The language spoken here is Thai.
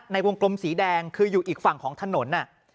ในวงกลมสีแดงคืออยู่อีกฝั่งของถนน